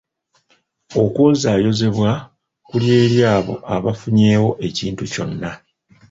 Okwozaayozebwa kuli eri abo abafunyeewo ekintu kyonna.